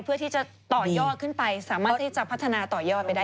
เพื่อที่จะต่อยอดขึ้นไปสามารถที่จะพัฒนาต่อยอดไปได้